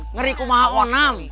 ngeri ku maha onam